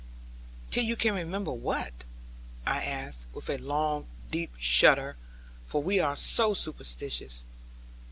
'Till you can remember what?' I asked, with a long, deep shudder; for we are so superstitious.